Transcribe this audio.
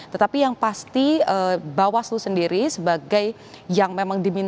tetapi yang pasti bawaslu sendiri sebagai yang memang diminta